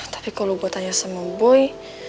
tapi kalau buat tanya sama boy